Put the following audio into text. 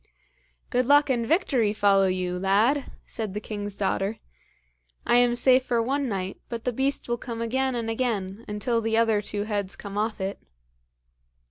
"Good luck and victory follow you, lad!" said the king's daughter. "I am safe for one night, but the beast will come again and again, until the other two heads come off it."